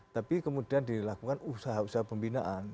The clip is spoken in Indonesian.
tapi kemudian dilakukan usaha usaha pembinaan